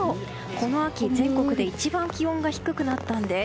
この秋、全国で一番気温が低くなったんです。